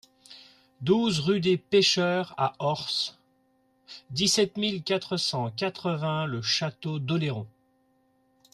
douze rue des Pecheurs A Ors, dix-sept mille quatre cent quatre-vingts Le Château-d'Oléron